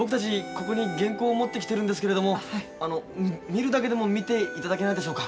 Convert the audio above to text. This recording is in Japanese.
ここに原稿を持ってきてるんですけれどあの見るだけでも見て頂けないでしょうか？